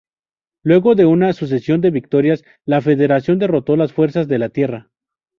Luego de una sucesión de victorias, la Federación derrotó las fuerzas de la Tierra.